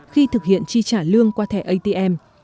khi thực hiện tri trả lương qua thẻ atm